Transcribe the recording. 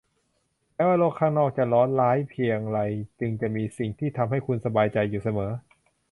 แม้ว่าโลกข้างนอกจะร้อนร้ายเพียงไรจึงจะมีสิ่งที่ทำให้คุณสบายใจอยู่เสมอ